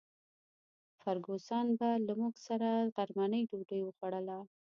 فرګوسن به له موږ سره غرمنۍ ډوډۍ خوړله.